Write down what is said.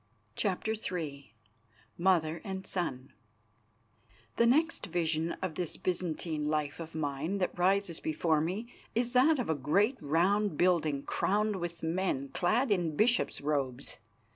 CHAPTER III MOTHER AND SON The next vision of this Byzantine life of mine that rises before me is that of a great round building crowned with men clad in bishops' robes.